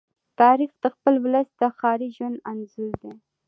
تاریخ د خپل ولس د ښاري ژوند انځور دی.